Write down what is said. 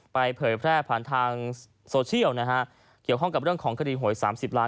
เผยแพร่ผ่านทางโซเชียลนะฮะเกี่ยวข้องกับเรื่องของคดีหวยสามสิบล้าน